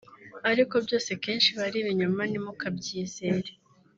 ariko byose kenshi biba ari ibinyoma ntimukabyizere